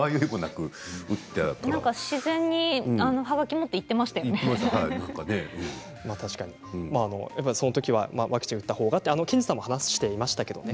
自然にはがきを持ってそのときはワクチンを打ったほうがとケンジさんも話していましたけどね。